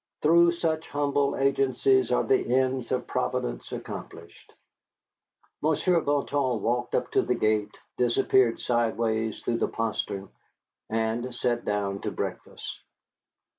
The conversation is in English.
Through such humble agencies are the ends of Providence accomplished. Monsieur Bouton walked up to the gate, disappeared sidewise through the postern, and we sat down to breakfast.